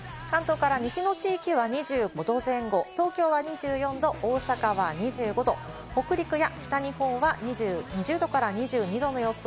関東から西の地域は２５度前後、東京は２４度、大阪は２５度、北陸や北日本は２０度から２２度の予想。